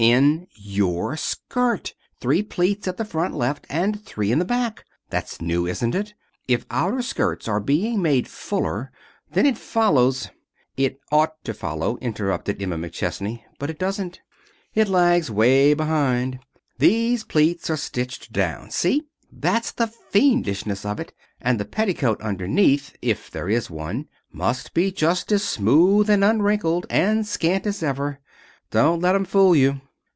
In your skirt. Three plaits at the front left, and three in the back. That's new, isn't it? If outer skirts are being made fuller, then it follows " "It ought to follow," interrupted Emma McChesney, "but it doesn't. It lags way behind. These plaits are stitched down. See? That's the fiendishness of it. And the petticoat underneath if there is one must be just as smooth, and unwrinkled, and scant as ever. Don't let 'em fool you."